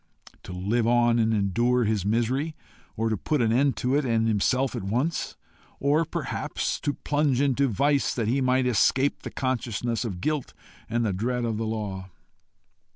To live on and endure his misery, or to put an end to it and himself at once? Or perhaps to plunge into vice that he might escape the consciousness of guilt and the dread of the law?